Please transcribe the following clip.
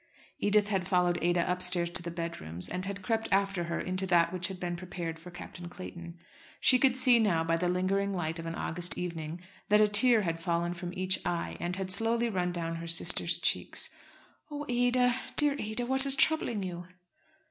Edith had followed Ada upstairs to the bedrooms, and had crept after her into that which had been prepared for Captain Clayton. She could see now by the lingering light of an August evening that a tear had fallen from each eye, and had slowly run down her sister's cheeks. "Oh, Ada, dear Ada, what is troubling you?"